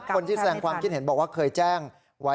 คนที่แสดงความคิดเห็นบอกว่าเคยแจ้งไว้